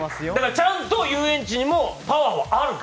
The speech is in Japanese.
ちゃんと遊園地にもパワーはある。